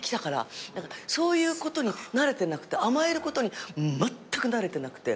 そういうことに慣れてなくて甘えることにまったく慣れてなくて。